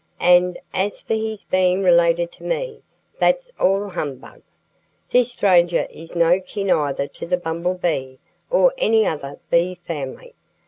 "And as for his being related to me, that's all humbug. This stranger is no kin either to the Bumblebee or any other Bee family.